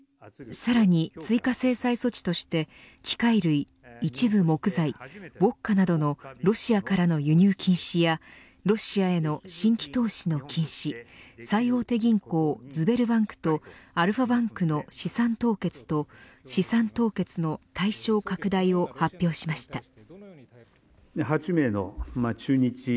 さらに追加制裁措置として機械類、一部木材ウオツカなどのロシアからの輸入禁止やロシアへの新規投資の禁止最大手銀行ズベルバンクとアルファバンクの資産凍結と資産凍結の対象拡大を発表しました。